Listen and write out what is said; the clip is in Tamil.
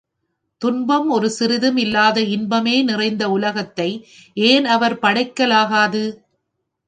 துன்பம் ஒரு சிறிதும் இல்லாத இன்பமே நிறைந்த உலகத்தை ஏன் அவர் படைக்கலாகாது?